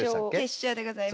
結晶でございます。